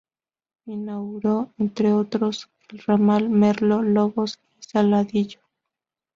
Inauguró, entre otros, el ramal Merlo, Lobos y Saladillo.